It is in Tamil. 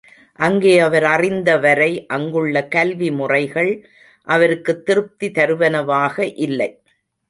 அங்கே அவர் அறிந்தவரை அங்குள்ள கல்வி முறைகள் அவருக்குத் திருப்தி தருவனவாக இல்லை.